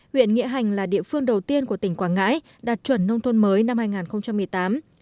huyện nghĩa hành là địa phương đầu tiên của tỉnh quảng ngãi đạt chuẩn nông thôn mới năm hai nghìn một mươi tám